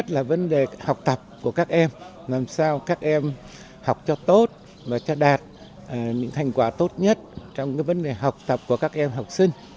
thứ nhất là vấn đề học tập của các em làm sao các em học cho tốt và cho đạt những thành quả tốt nhất trong vấn đề học tập của các em học sinh